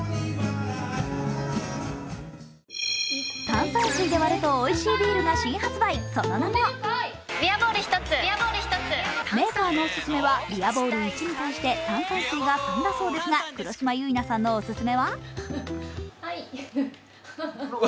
炭酸水で割るとおいしいビールが新発売、その名もメーカーのオススメはビアボール１に対して炭酸水が３だそうですが、黒島結菜さんのオススメは？